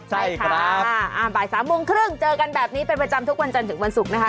ใช่ค่ะบ่าย๓โมงครึ่งเจอกันแบบนี้เป็นประจำทุกวันจันทร์ถึงวันศุกร์นะคะ